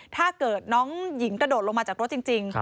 ถ้าเกิดน้องหญิงกระโดดลงมาจากรถจริง